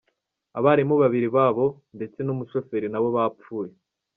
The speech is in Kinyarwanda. Abarimu babiri babo ndetse n'umushoferi nabo bapfuye.